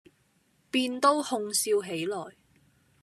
便都哄笑起來。